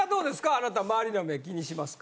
あなた周りの目気にしますか？